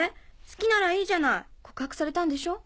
好きならいいじゃない告白されたんでしょ？